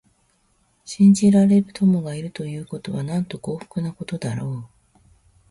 信じられる友がいるということは、なんと幸福なことだろう。